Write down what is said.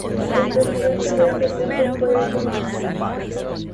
El presidente de este grupo fue el Brig.